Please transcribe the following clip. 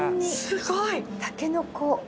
すごい！タケノコ。